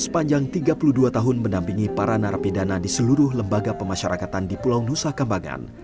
sepanjang tiga puluh dua tahun menampingi para narapidana di seluruh lembaga pemasyarakatan di pulau nusa kambangan